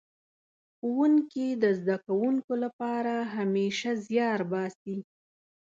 ښوونکي د زده کوونکو لپاره همېشه زيار باسي.